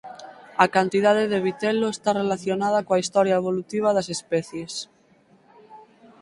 A cantidade de vitelo está relacionada coa historia evolutiva das especies.